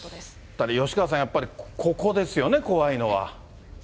だから吉川さん、やっぱりここですよね、怖いのは。